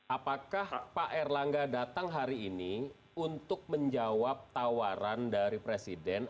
apakah pak erlangga datang hari ini untuk menjawab tawaran dari presiden